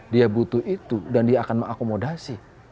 dia butuh itu dan dia akan mengakomodasi